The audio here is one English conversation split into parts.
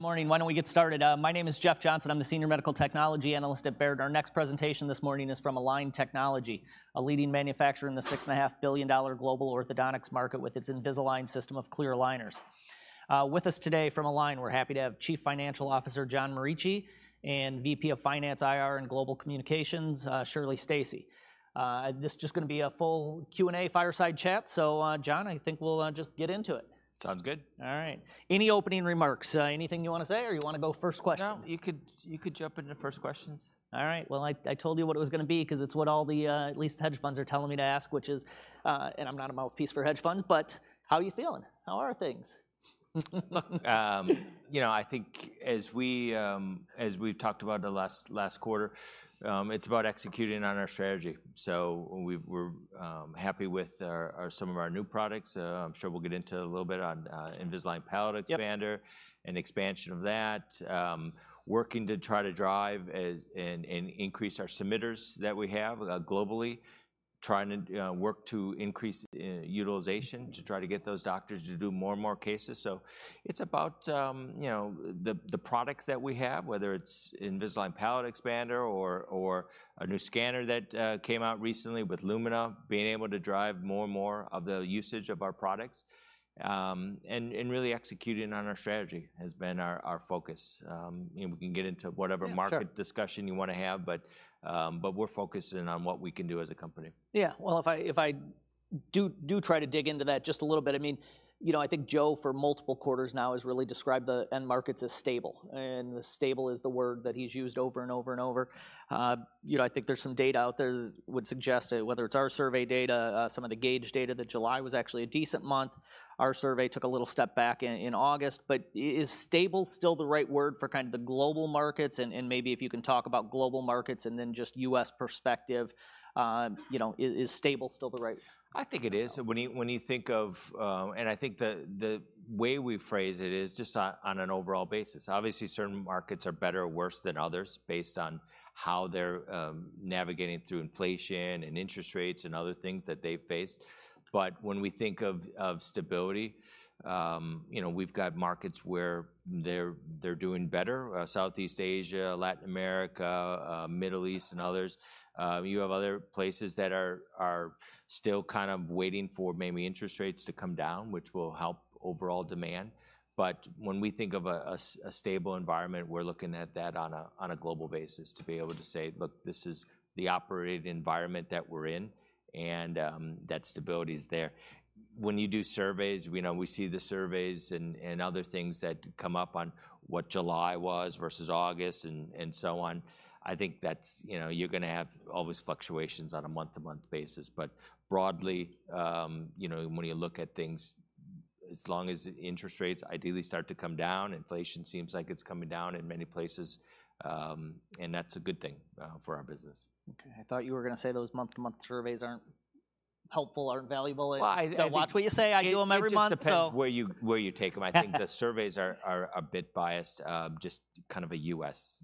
Good morning. Why don't we get started? My name is Jeff Johnson. I'm the Senior Medical Technology Analyst at Baird. Our next presentation this morning is from Align Technology, a leading manufacturer in the $6.5 billion global orthodontics market with its Invisalign system of clear aligners. With us today from Align, we're happy to have Chief Financial Officer, John Morici, and VP of Finance, IR, and Global Communications, Shirley Stacy. This is just gonna be a full Q&A fireside chat, so, John, I think we'll just get into it. Sounds good. All right. Any opening remarks? Anything you wanna say, or you wanna go first question? No, you could jump into the first questions. All right. Well, I told you what it was gonna be, 'cause it's what all the at least hedge funds are telling me to ask, which is, and I'm not a mouthpiece for hedge funds, but how are you feeling? How are things? You know, I think as we've talked about the last quarter, it's about executing on our strategy, so we're happy with some of our new products. I'm sure we'll get into a little bit on Invisalign Palatal- Yep ...expander and expansion of that. Working to try to drive ASP and increase our submitters that we have globally. Trying to work to increase utilization to try to get those doctors to do more and more cases. So it's about, you know, the products that we have, whether it's Invisalign Palatal Expander or the new iTero Lumina scanner that came out recently, being able to drive more and more of the usage of our products. And really executing on our strategy has been our focus. You know, we can get into whatever- Yeah, sure... market discussion you wanna have, but we're focusing on what we can do as a company. Yeah. Well, if I do try to dig into that just a little bit, I mean, you know, I think Joe, for multiple quarters now, has really described the end markets as stable, and stable is the word that he's used over, and over, and over. You know, I think there's some data out there that would suggest that whether it's our survey data, some of the Gaige data, that July was actually a decent month. Our survey took a little step back in August, but is stable still the right word for kind of the global markets? And maybe if you can talk about global markets, and then just U.S. perspective, you know, is stable still the right...? I think it is. When you think of and I think the way we phrase it is just on an overall basis. Obviously, certain markets are better or worse than others based on how they're navigating through inflation, and interest rates, and other things that they face. But when we think of stability, you know, we've got markets where they're doing better, Southeast Asia, Latin America, Middle East, and others. You have other places that are still kind of waiting for maybe interest rates to come down, which will help overall demand. But when we think of a stable environment, we're looking at that on a global basis, to be able to say, "Look, this is the operating environment that we're in, and that stability is there." When you do surveys, we know, we see the surveys and other things that come up on what July was versus August, and so on. I think that's, you know, you're gonna have all those fluctuations on a month-to-month basis. But broadly, you know, when you look at things, as long as interest rates ideally start to come down, inflation seems like it's coming down in many places, and that's a good thing for our business. Okay. I thought you were gonna say those month-to-month surveys aren't helpful or valuable. I think- I watch what you say. I do them every month, so... It just depends where you take them. I think the surveys are a bit biased, just kind of a U.S.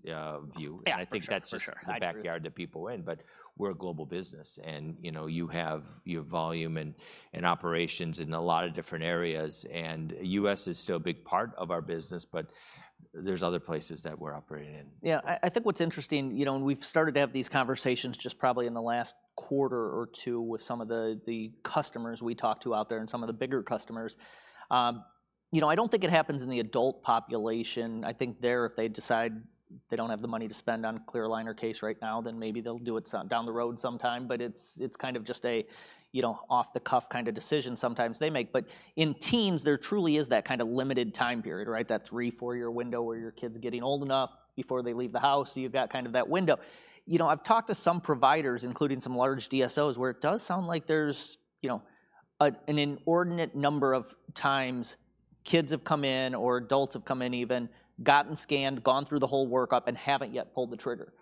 view. Yeah, for sure. For sure. And I think that's just the backyard that people in, but we're a global business, and, you know, you have volume and operations in a lot of different areas, and U.S. is still a big part of our business, but there's other places that we're operating in. Yeah, I think what's interesting, you know, and we've started to have these conversations just probably in the last quarter or two with some of the customers we talk to out there and some of the bigger customers. You know, I don't think it happens in the adult population. I think there, if they decide they don't have the money to spend on a clear aligner case right now, then maybe they'll do it so down the road sometime. But it's kind of just a, you know, off-the-cuff kind of decision sometimes they make. But in teens, there truly is that kind of limited time period, right? That three, four-year window where your kid's getting old enough before they leave the house, so you've got kind of that window. You know, I've talked to some providers, including some large DSOs, where it does sound like there's, you know, an inordinate number of times kids have come in, or adults have come in even, gotten scanned, gone through the whole workup, and haven't yet pulled the trigger.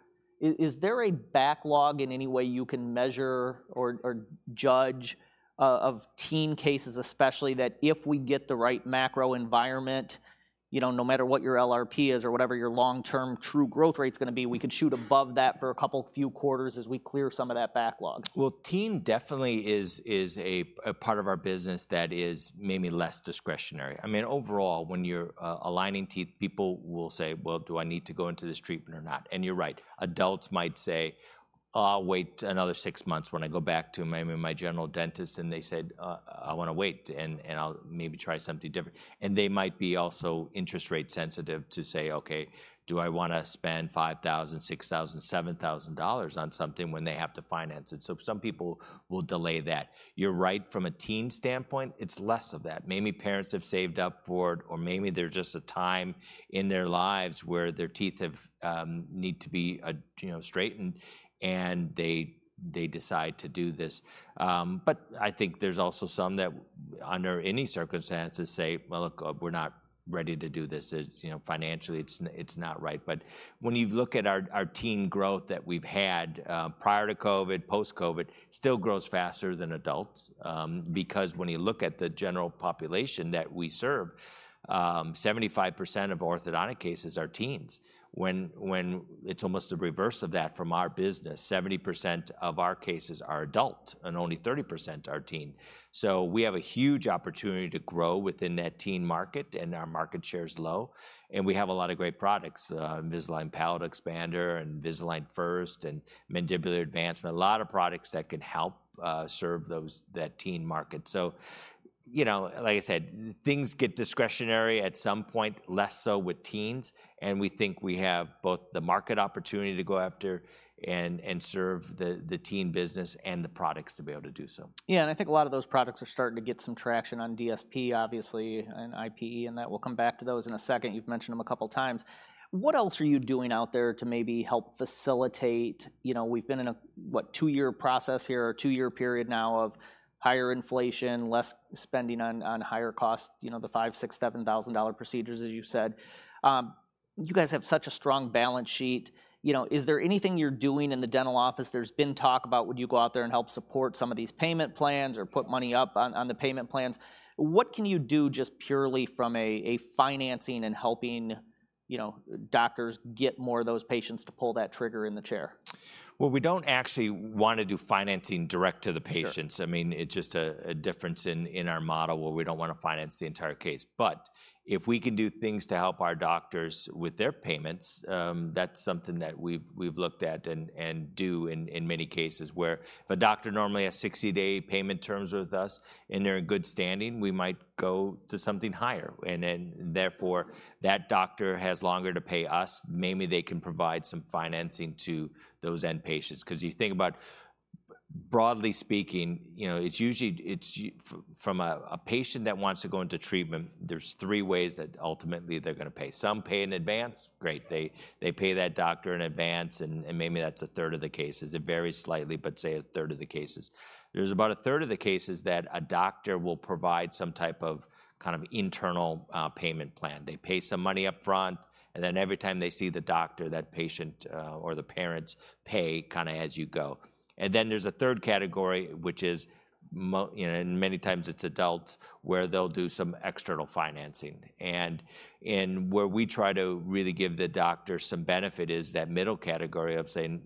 Is there a backlog in any way you can measure or judge of teen cases, especially, that if we get the right macro environment, you know, no matter what your LRP is or whatever your long-term true growth rate's gonna be, we could shoot above that for a couple few quarters as we clear some of that backlog? Teen definitely is a part of our business that is maybe less discretionary. I mean, overall, when you're aligning teeth, people will say, "Well, do I need to go into this treatment or not?" And you're right, adults might say, "I'll wait another six months when I go back to maybe my general dentist," and they said, "I wanna wait, and I'll maybe try something different." And they might be also interest rate sensitive to say, "Okay, do I wanna spend $5,000, $6,000, $7,000 on something?" when they have to finance it. So some people will delay that. You're right, from a teen standpoint, it's less of that. Maybe parents have saved up for it, or maybe they're just a time in their lives where their teeth have need to be, you know, straightened, and they decide to do this. But I think there's also some that, under any circumstances, say, "Well, look, we're not ready to do this. It's, you know, financially, it's not right." But when you look at our teen growth that we've had, prior to COVID, post-COVID, still grows faster than adults. Because when you look at the general population that we serve, 75% of orthodontic cases are teens, when it's almost the reverse of that from our business. 70% of our cases are adult, and only 30% are teen. So we have a huge opportunity to grow within that teen market, and our market share's low, and we have a lot of great products, Invisalign Palatal Expander, Invisalign First, and Mandibular Advancement. A lot of products that can help serve those, that teen market. You know, like I said, things get discretionary at some point, less so with teens, and we think we have both the market opportunity to go after and serve the, the teen business and the products to be able to do so. Yeah, and I think a lot of those products are starting to get some traction on DSP, obviously, and IPE, and that we'll come back to those in a second. You've mentioned them a couple times. What else are you doing out there to maybe help facilitate, you know, we've been in a, what, two-year process here or two-year period now of higher inflation, less spending on higher costs, you know, the $5,000-$7,000 procedures, as you've said. You guys have such a strong balance sheet. You know, is there anything you're doing in the dental office? There's been talk about would you go out there and help support some of these payment plans or put money up on the payment plans. What can you do just purely from a financing and helping, you know, doctors get more of those patients to pull that trigger in the chair? We don't actually wanna do financing direct to the patients. Sure. I mean, it's just a difference in our model where we don't wanna finance the entire case. But if we can do things to help our doctors with their payments, that's something that we've looked at and do in many cases where if a doctor normally has sixty-day payment terms with us, and they're in good standing, we might go to something higher, and then therefore, that doctor has longer to pay us. Maybe they can provide some financing to those end patients. 'Cause you think about, broadly speaking, you know, it's usually from a patient that wants to go into treatment. There's three ways that ultimately they're gonna pay. Some pay in advance, great. They pay that doctor in advance, and maybe that's a third of the cases. It varies slightly, but say a third of the cases. There's about a third of the cases that a doctor will provide some type of kind of internal payment plan. They pay some money upfront, and then every time they see the doctor, that patient or the parents pay kinda as you go, and then there's a third category, which is you know, and many times it's adults, where they'll do some external financing, and where we try to really give the doctor some benefit is that middle category of saying,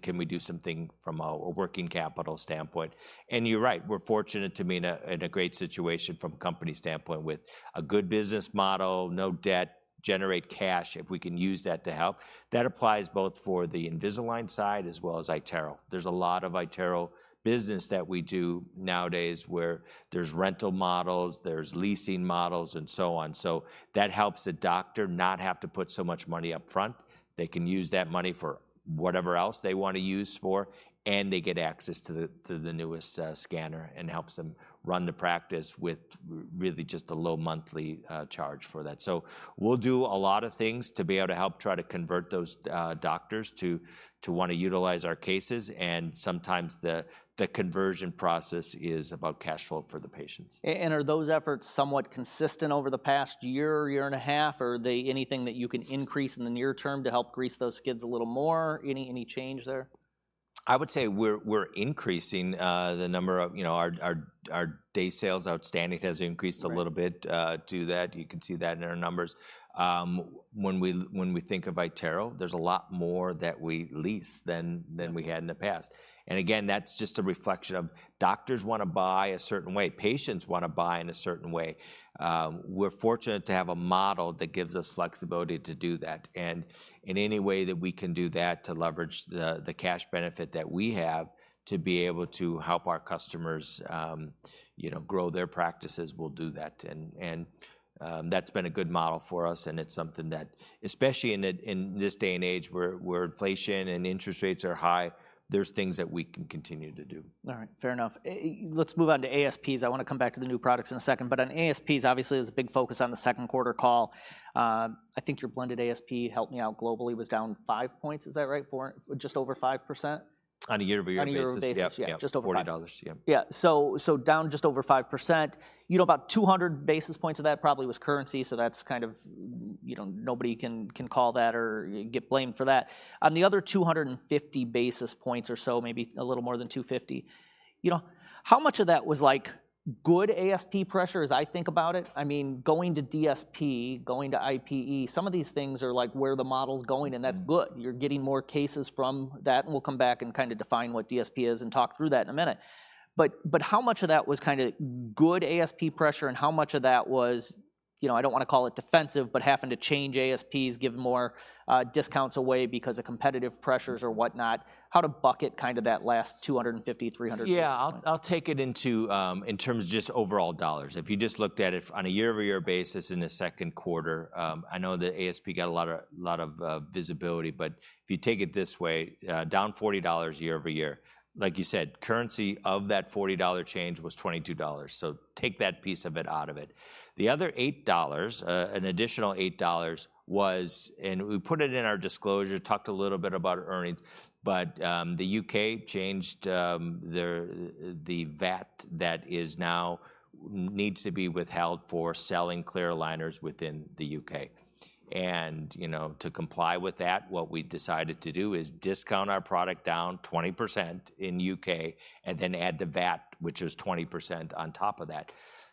"Can we do something from a working capital standpoint?" You're right, we're fortunate to be in a great situation from a company standpoint with a good business model, no debt, generate cash if we can use that to help. That applies both for the Invisalign side as well as iTero. There's a lot of iTero business that we do nowadays where there's rental models, there's leasing models, and so on. So that helps the doctor not have to put so much money up front. They can use that money for whatever else they wanna use for, and they get access to the newest scanner and helps them run the practice with really just a low monthly charge for that. So we'll do a lot of things to be able to help try to convert those doctors to wanna utilize our cases, and sometimes the conversion process is about cash flow for the patients. Are those efforts somewhat consistent over the past year, year and a half, or are they anything that you can increase in the near term to help grease those skids a little more? Any change there? I would say we're increasing the number of... You know, our days sales outstanding has increased- Right... a little bit to that. You can see that in our numbers. When we think of iTero, there's a lot more that we lease than, Yeah... than we had in the past, and again, that's just a reflection of doctors wanna buy a certain way. Patients wanna buy in a certain way. We're fortunate to have a model that gives us flexibility to do that, and in any way that we can do that to leverage the cash benefit that we have to be able to help our customers, you know, grow their practices, we'll do that, and that's been a good model for us, and it's something that, especially in this day and age, where inflation and interest rates are high, there's things that we can continue to do. All right. Fair enough. Let's move on to ASPs. I wanna come back to the new products in a second, but on ASPs, obviously, it was a big focus on the second quarter call. I think your blended ASP, help me out, globally, was down five points. Is that right, four, just over 5%? On a year-over-year basis. On a year-over-year basis. Yep, yep. Just over it. $40, yeah. Yeah, so down just over 5%. You know, about two hundred basis points of that probably was currency, so that's kind of you know, nobody can call that or get blamed for that. On the other two hundred and fifty basis points or so, maybe a little more than two fifty, you know, how much of that was, like, good ASP pressure, as I think about it? I mean, going to DSP, going to IPE, some of these things are, like, where the model's going, and that's good. Mm. You're getting more cases from that, and we'll come back and kind of define what DSP is and talk through that in a minute. But how much of that was kind of good ASP pressure, and how much of that was, you know, I don't wanna call it defensive, but having to change ASPs, give more discounts away because of competitive pressures or whatnot? How to bucket kind of that last 250-300 basis points? Yeah, I'll take it into in terms of just overall dollars. If you just looked at it on a year-over-year basis in the second quarter, I know the ASP got a lot of visibility, but if you take it this way, down $40 year over year, like you said, currency of that $40 change was $22, so take that piece of it out of it. The other $8, an additional $8 was... and we put it in our disclosure, talked a little bit about earnings, but the U.K. changed their the VAT that is now needs to be withheld for selling clear aligners within the U.K. And, you know, to comply with that, what we decided to do is discount our product down 20% in UK, and then add the VAT, which is 20% on top of that.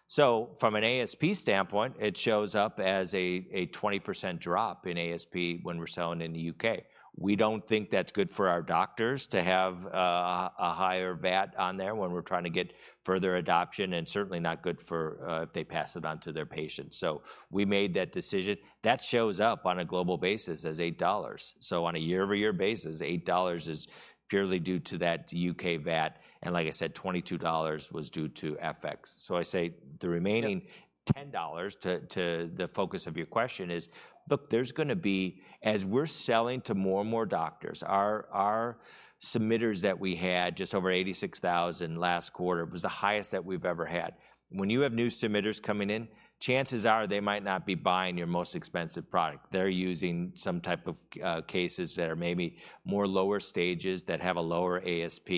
So from an ASP standpoint, it shows up as a 20% drop in ASP when we're selling in the UK. We don't think that's good for our doctors to have a higher VAT on there when we're trying to get further adoption, and certainly not good for if they pass it on to their patients. So we made that decision. That shows up on a global basis as $8. So on a year-over-year basis, $8 is purely due to that UK VAT, and like I said, $22 was due to FX. So I say the remaining- Yep... ten dollars to the focus of your question is, look, there's gonna be as we're selling to more and more doctors, our submitters that we had, just over 86,000 last quarter, was the highest that we've ever had. When you have new submitters coming in, chances are they might not be buying your most expensive product. They're using some type of cases that are maybe more lower stages that have a lower ASP.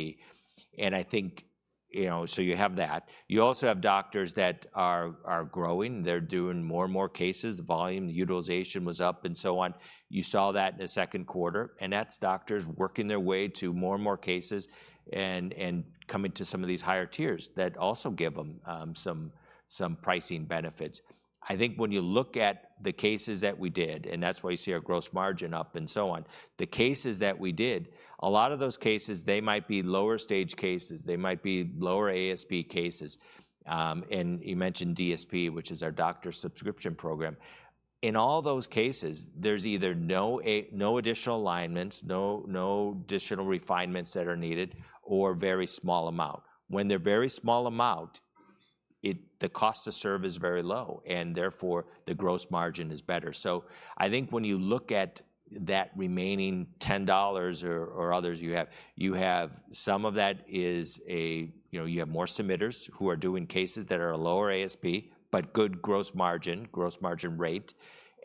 And I think, you know, so you have that. You also have doctors that are growing. They're doing more and more cases. The volume, the utilization was up, and so on. You saw that in the second quarter, and that's doctors working their way to more and more cases and coming to some of these higher tiers that also give them some pricing benefits. I think when you look at the cases that we did, and that's why you see our gross margin up and so on, the cases that we did, a lot of those cases, they might be lower stage cases, they might be lower ASP cases. And you mentioned DSP, which is our Doctor Subscription Program. In all those cases, there's either no additional alignments, no additional refinements that are needed, or very small amount. When they're very small amount, the cost to serve is very low, and therefore, the gross margin is better. So I think when you look at that remaining $10 or others, you have some of that is a. You know, you have more submitters who are doing cases that are lower ASP, but good gross margin, gross margin rate.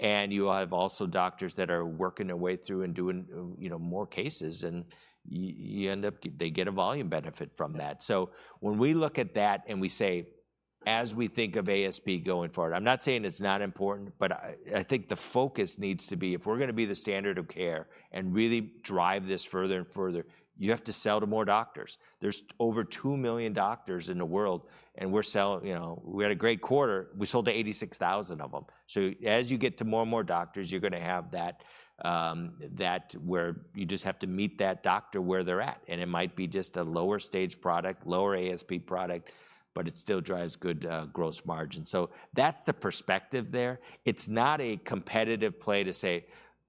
You have also doctors that are working their way through and doing, you know, more cases, and you end up they get a volume benefit from that. So when we look at that and we say, as we think of ASP going forward, I'm not saying it's not important, but I think the focus needs to be, if we're gonna be the standard of care and really drive this further and further, you have to sell to more doctors. There's over 2 million doctors in the world, and we're selling. You know, we had a great quarter. We sold to 86,000 of them. So as you get to more and more doctors, you're gonna have that where you just have to meet that doctor where they're at, and it might be just a lower stage product, lower ASP product, but it still drives good gross margin. So that's the perspective there. It's not a competitive play to say,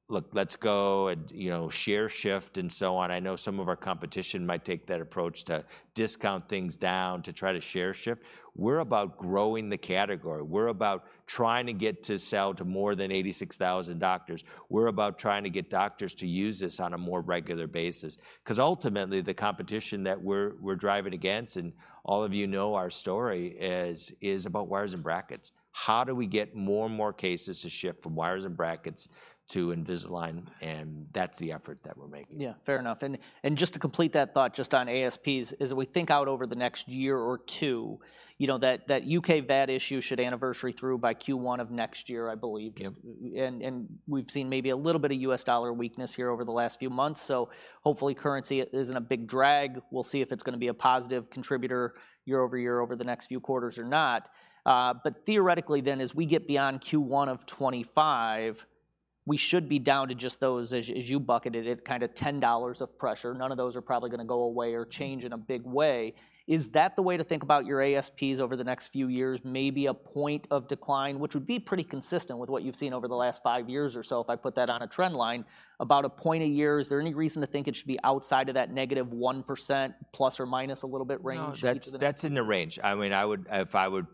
"Look, let's go and, you know, share shift and so on." I know some of our competition might take that approach to discount things down to try to share shift. We're about growing the category. We're about trying to get to sell to more than 86,000 doctors. We're about trying to get doctors to use this on a more regular basis, 'cause ultimately, the competition that we're driving against, and all of you know our story, is about wires and brackets. How do we get more and more cases to shift from wires and brackets to Invisalign? And that's the effort that we're making. Yeah, fair enough. And just to complete that thought, just on ASPs, as we think out over the next year or two, you know, that U.K. VAT issue should anniversary through by Q1 of next year, I believe. Yep. We've seen maybe a little bit of U.S. dollar weakness here over the last few months, so hopefully currency isn't a big drag. We'll see if it's gonna be a positive contributor year over year over the next few quarters or not. But theoretically then, as we get beyond Q1 of 2025, we should be down to just those, as you bucketed it, kind of $10 of pressure. None of those are probably gonna go away or change in a big way. Is that the way to think about your ASPs over the next few years? Maybe a point of decline, which would be pretty consistent with what you've seen over the last five years or so, if I put that on a trend line. About a point a year, is there any reason to think it should be outside of that -1%, plus or minus a little bit, range for the- No, that's in the range. I mean, I would... If I would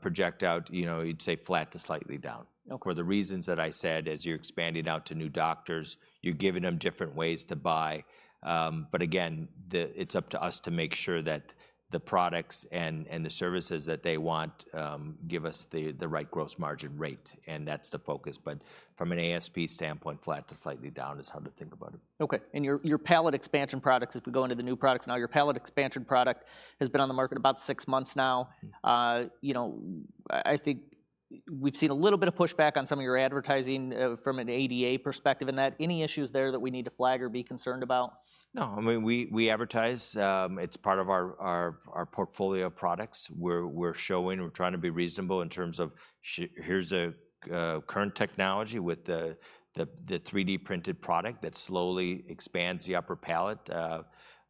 project out, you know, you'd say flat to slightly down. Okay. For the reasons that I said, as you're expanding out to new doctors, you're giving them different ways to buy. But again, it's up to us to make sure that the products and the services that they want give us the right gross margin rate, and that's the focus. But from an ASP standpoint, flat to slightly down is how to think about it. Okay, and your palatal expansion products, if we go into the new products now, your palatal expansion product has been on the market about six months now. You know, I think we've seen a little bit of pushback on some of your advertising from an ADA perspective and that. Any issues there that we need to flag or be concerned about? No, I mean, we advertise, it's part of our portfolio of products. We're showing, we're trying to be reasonable in terms of here's a current technology with the 3D-printed product that slowly expands the upper palate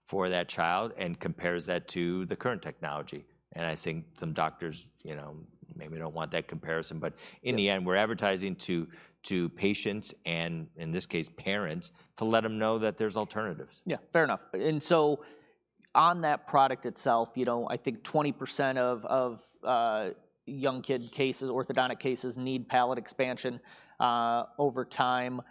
for that child and compares that to the current technology, and I think some doctors, you know, maybe don't want that comparison. Yeah. But in the end, we're advertising to patients and, in this case, parents, to let them know that there's alternatives. Yeah, fair enough. And so on that product itself, you know, I think 20% of young kid cases, orthodontic cases, need palatal expansion over time.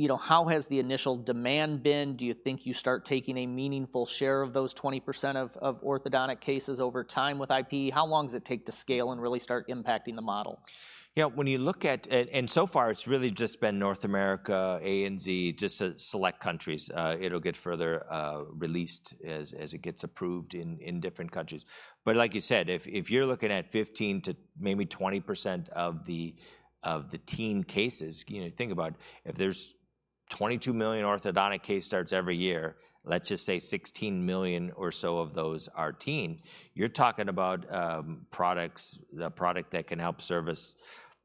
You know, how has the initial demand been? Do you think you start taking a meaningful share of those 20% of orthodontic cases over time with IP? How long does it take to scale and really start impacting the model? Yeah, when you look at it, and so far, it's really just been North America, ANZ, just a select countries. It'll get further released as it gets approved in different countries. But like you said, if you're looking at 15% to maybe 20% of the teen cases, you know, think about if there's 22 million orthodontic case starts every year. Let's just say 16 million or so of those are teen. You're talking about products, the product that can help service,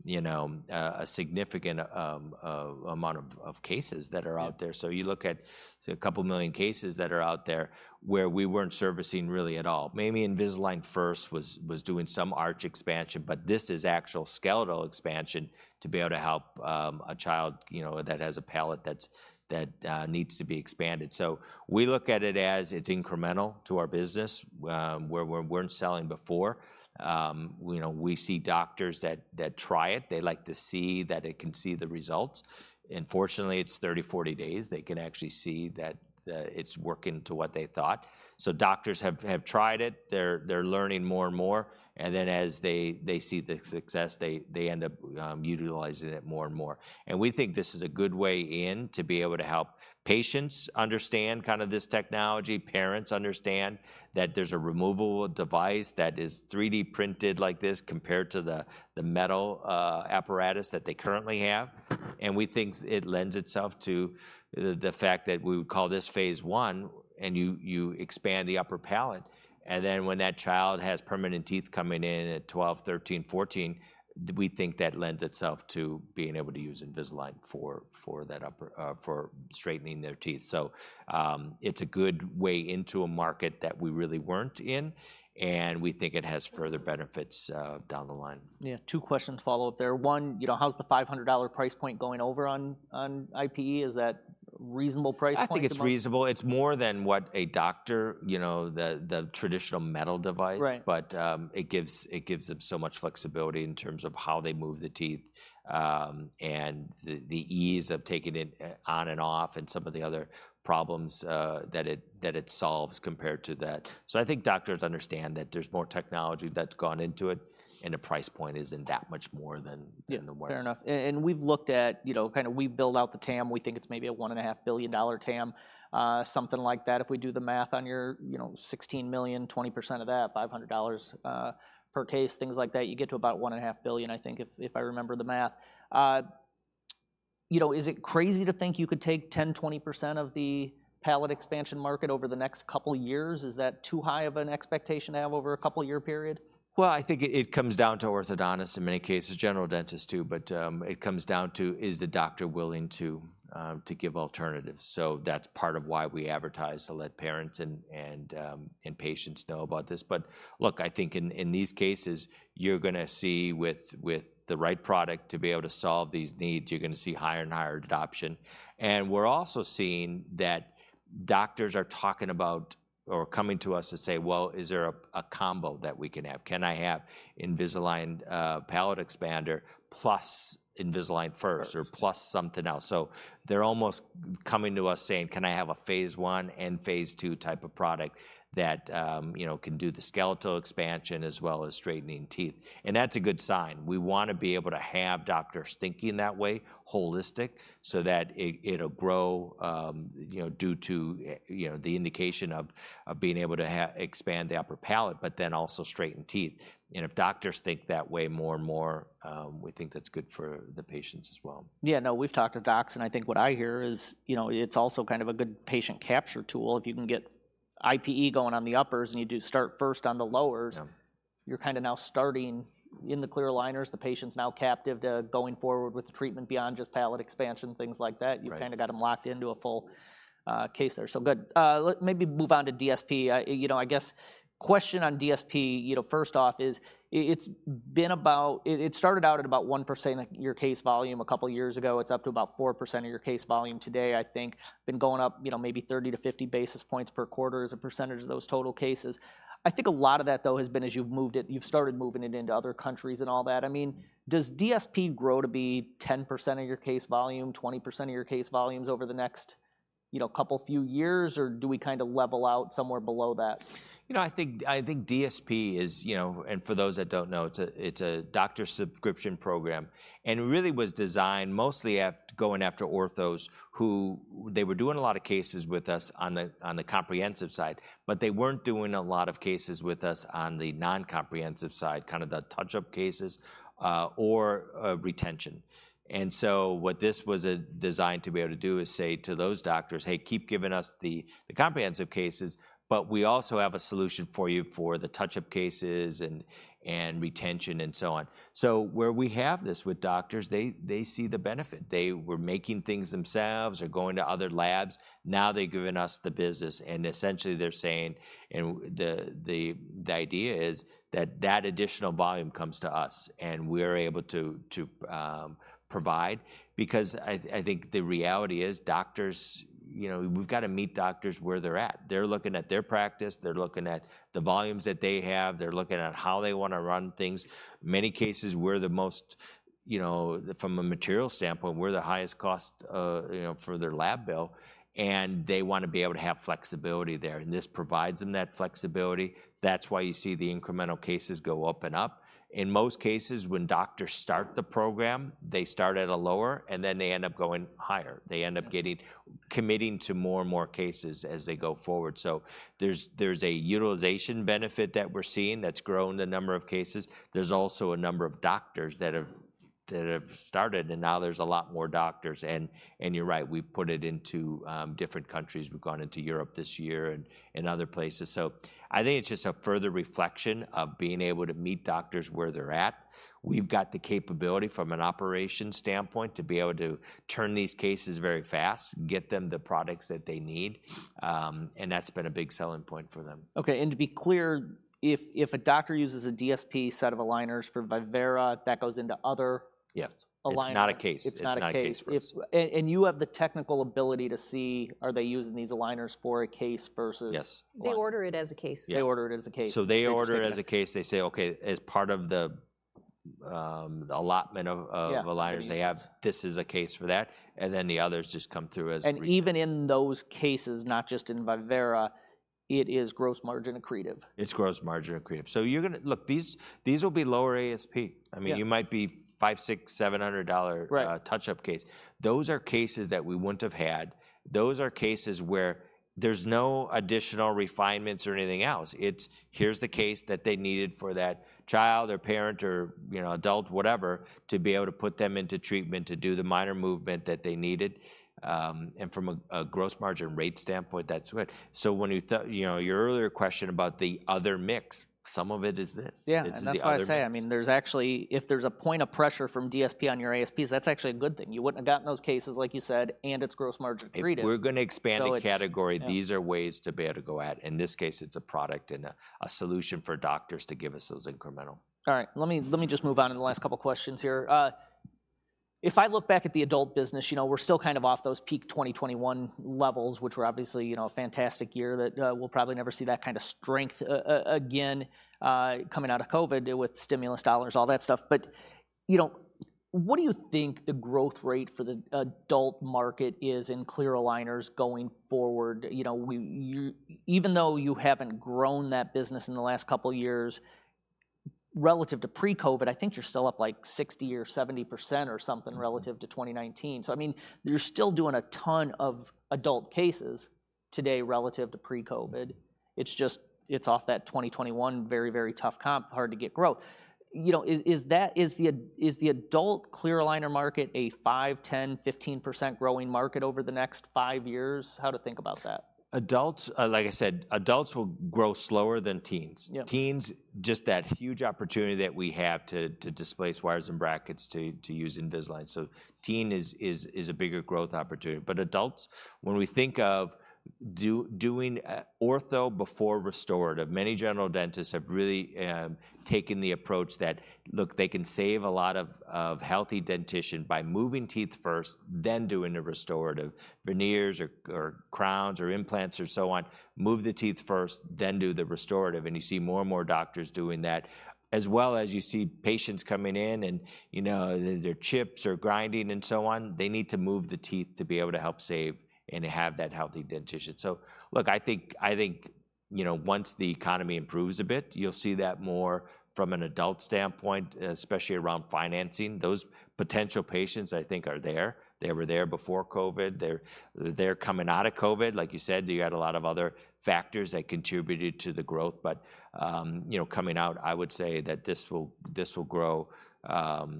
you know, a significant amount of cases that are out there. Yeah. So you look at say, a couple million cases that are out there where we weren't servicing really at all. Maybe Invisalign First was doing some arch expansion, but this is actual skeletal expansion to be able to help a child, you know, that has a palate that's that needs to be expanded. We look at it as it's incremental to our business where we weren't selling before. You know, we see doctors that try it. They like to see that they can see the results, and fortunately, it's 30-40 days. They can actually see that it's working to what they thought. Doctors have tried it. They're learning more and more, and then as they see the success, they end up utilizing it more and more. And we think this is a good way in to be able to help patients understand kind of this technology, parents understand that there's a removable device that is 3D-printed like this, compared to the metal apparatus that they currently have. And we think it lends itself to the fact that we would call this phase one, and you expand the upper palate, and then when that child has permanent teeth coming in at 12, 13, 14, we think that lends itself to being able to use Invisalign for that upper for straightening their teeth. So, it's a good way into a market that we really weren't in, and we think it has further benefits down the line. Yeah. Two questions to follow up there. One, you know, how's the $500 price point going over on IPE? Is that reasonable price point to most- I think it's reasonable. It's more than what a doctor, you know, the traditional metal device- Right... but it gives them so much flexibility in terms of how they move the teeth, and the ease of taking it on and off and some of the other problems that it solves compared to that. So I think doctors understand that there's more technology that's gone into it, and the price point isn't that much more than the wire. Yeah. Fair enough. And we've looked at, you know, kind of we build out the TAM. We think it's maybe a $1.5 billion TAM, something like that. If we do the math on your, you know, 16 million, 20% of that, $500 per case, things like that, you get to about $1.5 billion, I think, if I remember the math. You know, is it crazy to think you could take 10%-20% of the palate expansion market over the next couple years? Is that too high of an expectation to have over a couple-year period? I think it comes down to orthodontists, in many cases, general dentists, too, but it comes down to is the doctor willing to give alternatives? So that's part of why we advertise to let parents and patients know about this. But look, I think in these cases, you're gonna see with the right product to be able to solve these needs, you're gonna see higher and higher adoption. And we're also seeing that doctors are talking about or coming to us to say, "Well, is there a combo that we can have? Can I have Invisalign, palate expander plus Invisalign First or plus something else?" So they're almost coming to us saying, "Can I have a phase one and phase two type of product that, you know, can do the skeletal expansion as well as straightening teeth?" And that's a good sign. We wanna be able to have doctors thinking that way, holistic, so that it, it'll grow, you know, due to, you know, the indication of, of being able to expand the upper palate, but then also straighten teeth. And if doctors think that way more and more, we think that's good for the patients as well. Yeah, no, we've talked to docs, and I think what I hear is, you know, it's also kind of a good patient capture tool. If you can get IPE going on the uppers, and you do start first on the lowers- Yeah... you're kind of now starting in the clear aligners. The patient's now captive to going forward with the treatment beyond just palate expansion, things like that. Right. You've kind of got them locked into a full, case there. So good. Let's maybe move on to DSP. You know, I guess, question on DSP, you know, first off is it's been about... It started out at about 1% of your case volume a couple years ago. It's up to about 4% of your case volume today, I think. Been going up, you know, maybe 30 to 50 basis points per quarter as a percentage of those total cases. I think a lot of that, though, has been as you've moved it, you've started moving it into other countries and all that. I mean, does DSP grow to be 10% of your case volume, 20% of your case volumes over the next, you know, couple, few years, or do we kind of level out somewhere below that? You know, I think DSP is, you know. For those that don't know, it's a doctor subscription program, and it really was designed mostly going after orthos who they were doing a lot of cases with us on the comprehensive side, but they weren't doing a lot of cases with us on the non-comprehensive side, kind of the touch-up cases, or retention. So what this was designed to be able to do is say to those doctors, "Hey, keep giving us the comprehensive cases, but we also have a solution for you for the touch-up cases and retention and so on." So where we have this with doctors, they see the benefit. They were making things themselves or going to other labs. Now, they've given us the business, and essentially they're saying, and the idea is that that additional volume comes to us, and we're able to provide. Because I think the reality is doctors, you know, we've gotta meet doctors where they're at. They're looking at their practice. They're looking at the volumes that they have. They're looking at how they wanna run things. Many cases, we're the most, you know, from a material standpoint, we're the highest cost, you know, for their lab bill, and they wanna be able to have flexibility there, and this provides them that flexibility. That's why you see the incremental cases go up and up. In most cases, when doctors start the program, they start at a lower, and then they end up going higher. They end up committing to more and more cases as they go forward. There's a utilization benefit that we're seeing that's grown the number of cases. There's also a number of doctors that have started, and now there's a lot more doctors. You're right, we've put it into different countries. We've gone into Europe this year and other places. I think it's just a further reflection of being able to meet doctors where they're at. We've got the capability from an operations standpoint to be able to turn these cases very fast, get them the products that they need, and that's been a big selling point for them. Okay, and to be clear, if a doctor uses a DSP set of aligners for Vivera, that goes into other- Yeah... aligners. It's not a case. It's not a case. It's not a case for it. You have the technical ability to see are they using these aligners for a case versus- Yes. They order it as a case. Yeah. They order it as a case. They order it as a case. Okay. They say, "Okay, as part of the allotment of- Yeah... aligners they have, this is a case for that," and then the others just come through as- Even in those cases, not just in Vivera, it is gross margin accretive? It's gross margin accretive. So you're gonna... Look, these will be lower ASP. Yeah. I mean, you might be $500-$700 Right... touch-up case. Those are cases that we wouldn't have had. Those are cases where there's no additional refinements or anything else. It's here's the case that they needed for that child or parent or, you know, adult, whatever, to be able to put them into treatment to do the minor movement that they needed. And from a gross margin rate standpoint, that's good. So when you, you know, your earlier question about the other mix, some of it is this. Yeah. This is the other- That's why I say, I mean, there's actually, if there's a point of pressure from DSP on your ASPs, that's actually a good thing. You wouldn't have gotten those cases, like you said, and it's gross margin accretive. If we're gonna expand the category- So it's, yeah.... these are ways to be able to go at. In this case, it's a product and a solution for doctors to give us those incremental. All right, let me, let me just move on to the last couple questions here. If I look back at the adult business, you know, we're still kind of off those peak 2021 levels, which were obviously, you know, a fantastic year that we'll probably never see that kind of strength again, coming out of COVID with stimulus dollars, all that stuff. But, you know, what do you think the growth rate for the adult market is in clear aligners going forward? You know, we, you—even though you haven't grown that business in the last couple years, relative to pre-COVID, I think you're still up, like, 60% or 70% or something relative to 2019. So I mean, you're still doing a ton of adult cases today relative to pre-COVID. It's just, it's off that 2021 very, very tough comp, hard to get growth. You know, is the adult clear aligner market a 5, 10, 15% growing market over the next five years? How to think about that? Adults, like I said, adults will grow slower than teens. Yeah. Teens, just that huge opportunity that we have to displace wires and brackets to use Invisalign. So teen is a bigger growth opportunity. But adults, when we think of doing ortho before restorative, many general dentists have really taken the approach that, look, they can save a lot of healthy dentition by moving teeth first, then doing the restorative, veneers or crowns or implants or so on. Move the teeth first, then do the restorative, and you see more and more doctors doing that. As well as you see patients coming in, and you know, there are chips or grinding and so on, they need to move the teeth to be able to help save and to have that healthy dentition. So look, I think, you know, once the economy improves a bit, you'll see that more from an adult standpoint, especially around financing. Those potential patients, I think, are there. They were there before COVID. They're coming out of COVID. Like you said, you had a lot of other factors that contributed to the growth, but, you know, coming out, I would say that this will grow,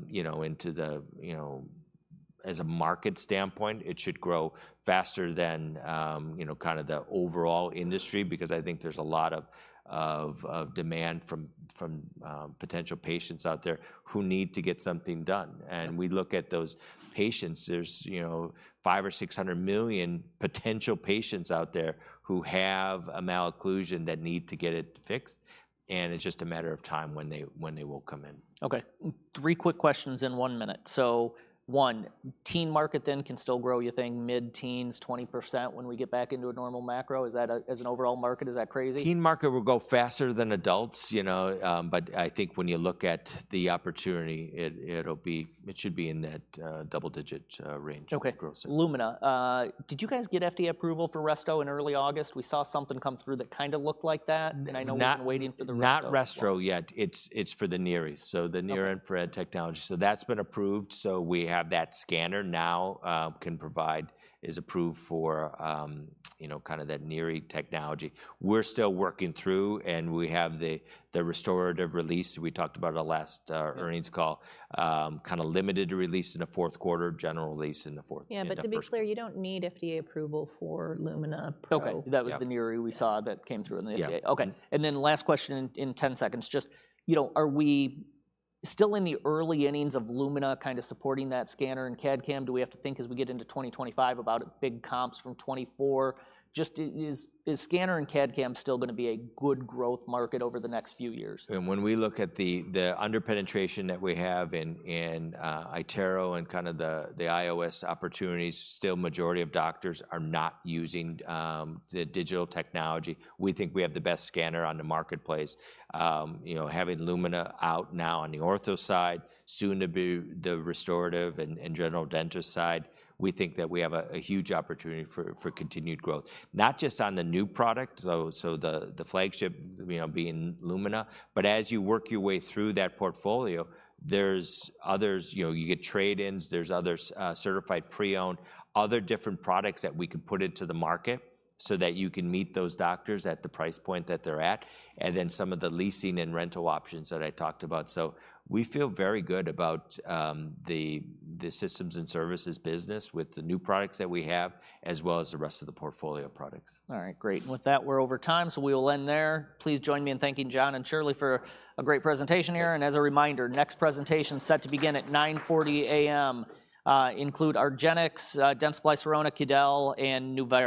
you know, into the, you know. As a market standpoint, it should grow faster than, you know, kind of the overall industry because I think there's a lot of demand from potential patients out there who need to get something done. Mm. We look at those patients. There's, you know, five or six hundred million potential patients out there who have a malocclusion that need to get it fixed, and it's just a matter of time when they will come in. Okay. Three quick questions in one minute. So one, teen market then can still grow, you think, mid-teens, 20% when we get back into a normal macro? Is that a... As an overall market, is that crazy? Teen market will go faster than adults, you know, but I think when you look at the opportunity, it should be in that double-digit range- Okay... roughly. Lumina, did you guys get FDA approval for Resto in early August? We saw something come through that kind of looked like that- Mm... and I know we've been waiting for the Resto. Not resto yet. Yeah. It's for the NIRIs. Okay. So the near-infrared technology. So that's been approved, so we have that scanner now is approved for, you know, kind of that NIRI technology. We're still working through, and we have the restorative release we talked about on the last. Mm... earnings call. Kind of limited release in the fourth quarter, general release in the first quarter. Yeah, but to be clear, you don't need FDA approval for iTero Lumina. Okay. Yeah. That was the NIRI- Yeah... we saw that came through in the FDA. Yeah. Okay, and then last question in ten seconds. Just, you know, are we still in the early innings of Lumina kind of supporting that scanner and CAD/CAM? Do we have to think as we get into 2025 about big comps from 2024? Just is scanner and CAD/CAM still gonna be a good growth market over the next few years? And when we look at the under-penetration that we have in iTero and kind of the IOS opportunities, still majority of doctors are not using the digital technology. We think we have the best scanner on the marketplace. You know, having Lumina out now on the ortho side, soon to be the restorative and general dentist side, we think that we have a huge opportunity for continued growth. Not just on the new product, so the flagship, you know, being Lumina, but as you work your way through that portfolio, there's others. You know, you get trade-ins, there's others, certified pre-owned, other different products that we can put into the market so that you can meet those doctors at the price point that they're at, and then some of the leasing and rental options that I talked about. So we feel very good about the systems and services business with the new products that we have, as well as the rest of the portfolio products. All right. Great. And with that, we're over time, so we will end there. Please join me in thanking John and Shirley for a great presentation here. And as a reminder, next presentation set to begin at 9:30 A.M., include argenx, Dentsply Sirona, QuidelOrtho, and Nevro.